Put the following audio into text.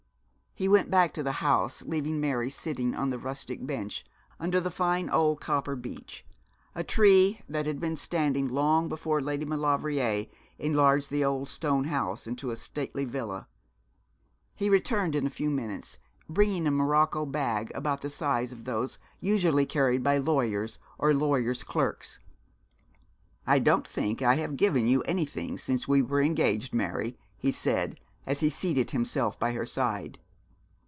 He went back to the house, leaving Mary sitting on the rustic bench under the fine old copper beech, a tree that had been standing long before Lady Maulevrier enlarged the old stone house into a stately villa. He returned in a few minutes, bringing a morocco bag about the size of those usually carried by lawyers or lawyers' clerks. 'I don't think I have given you anything since we were engaged, Mary,' he said, as he seated himself by her side.